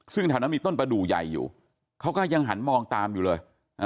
ซึ่งแถวนั้นมีต้นประดูกใหญ่อยู่เขาก็ยังหันมองตามอยู่เลย